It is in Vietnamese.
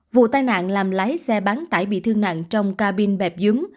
vụ tai nạn làm lái xe bán tải bị thương nạn trong cabin bẹp dúng